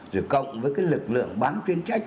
rồi cộng với cái lực lượng bán chuyên trách